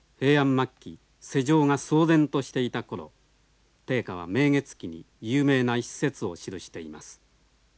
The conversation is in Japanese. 末期世情が騒然としていた頃定家は「明月記」に有名な一節を記しています。